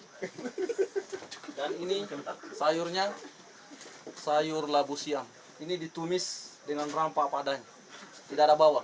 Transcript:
dan ini sayurnya sayur labu siam ini ditumis dengan rampak padanya tidak ada bawang